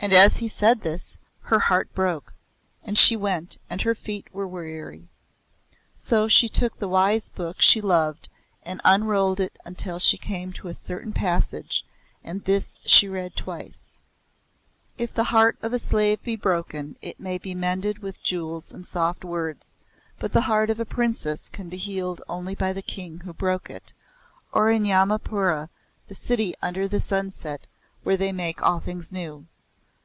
And as he said this, her heart broke; and she went and her feet were weary. So she took the wise book she loved and unrolled it until she came to a certain passage, and this she read twice; "If the heart of a slave be broken it may be mended with jewels and soft words, but the heart of a Princess can be healed only by the King who broke it, or in Yamapura, the City under the Sunset where they make all things new.